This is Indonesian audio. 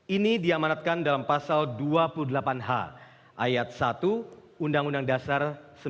ini diamanatkan dalam pasal dua puluh delapan h ayat satu undang undang dasar seribu sembilan ratus empat puluh lima